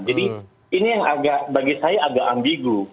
jadi ini yang agak bagi saya agak ambigu